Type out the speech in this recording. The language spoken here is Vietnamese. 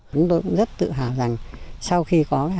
chúng tôi cũng rất tự hào rằng sau khi có hợp tác xã